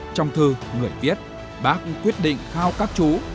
trong thư người viết bác quyết định khao các chú